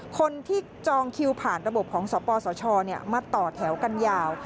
คนที่จองคิวผ่านระบบของสปสชมาต่อแถวกันยาว